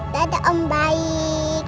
dadah om baik